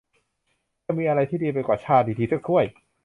จะมีอะไรที่ดีไปกว่า ชาดี ๆ สักถ้วย ?